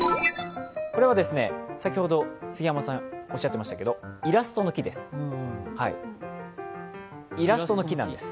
先ほど杉山さんおっしゃってましたけど、これはイラストの木です。